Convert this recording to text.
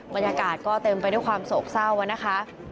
บรรยากาศก็เต็มไปด้วยความโศกเศร้านะคะ